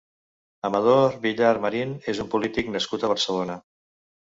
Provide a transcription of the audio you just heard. Amador Villar Marin és un polític nascut a Barcelona.